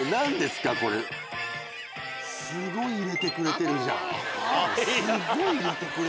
すごい入れてくれてるじゃん。